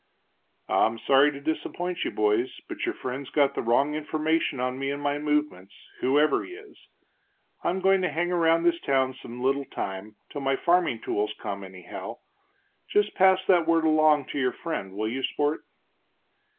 "I'm sorry to disappoint you, boys, but your friend's got the wrong information on me and my movements, whoever he is. I'm goin' to hang around this town some little time, till my farming tools come, anyhow. Just pass that word along to your friend, will you, sport?"